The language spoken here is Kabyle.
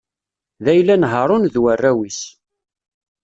D ayla n Haṛun d warraw-is.